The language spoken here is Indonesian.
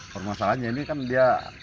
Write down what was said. permasalahannya ini kan dia